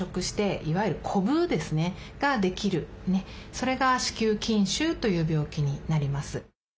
それが「子宮筋腫」という病気になります。